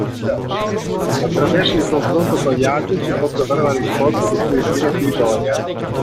Attraverso il confronto con gli altri, si può trovare la risposta che si ritiene più idonea.